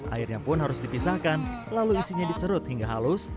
airnya pun harus dipisahkan lalu isinya diserut hingga halus